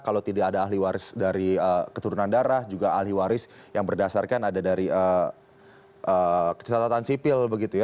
kalau tidak ada ahli waris dari keturunan darah juga ahli waris yang berdasarkan ada dari kecatatan sipil begitu ya